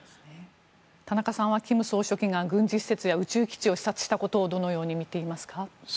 田中さんは金総書記が軍事施設や宇宙基地を視察したことをどのように見ていますか？